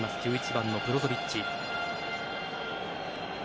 １１番のブロゾヴィッチ。